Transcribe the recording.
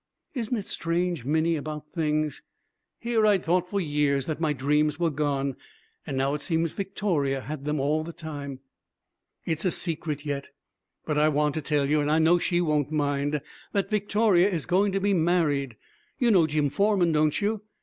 Isn't it strange, Minnie, about things? Here I'd thought for years that my dreams were gone. And now it seems Victoria had them, all the time. It's a secret yet, but I want to tell you, and I know she won't mind, that Victoria is going to be married. You know Jim Forman, don't you?